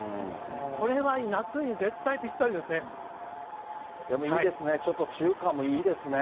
これはいい、夏に絶対ぴったりででもいいですね、ちょっと中華もいいですね。